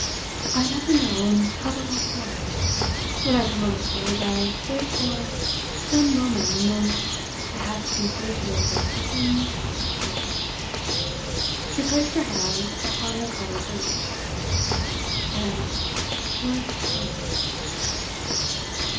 "I never know until the last moment. When I come on the stage I wait for one moment and then I have the sensation as though something struck me here,"—she placed her hand upon her collar brooch—"and... words come!"